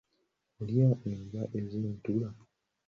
Olya enva z'entula?